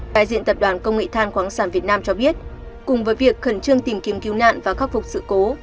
đại diện tập đoàn công nghệ than khoáng sản việt nam cho biết cùng với việc khẩn trương tìm kiếm cứu nạn và khắc phục sự cố